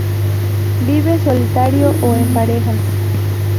Vive solitario o en pareja.